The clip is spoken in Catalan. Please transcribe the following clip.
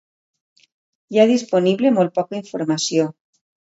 Hi ha disponible molt poca informació.